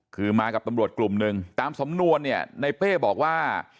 คือมากับตำรวจกลุ่มหนึ่งตามสำนวนเนี่ยในเป้บอกว่า